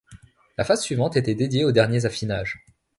La phase suivante était dédiée aux derniers affinages.